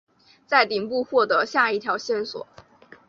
在顶部获得下一条线索。